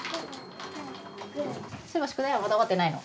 そういえば宿題はまだ終わってないの？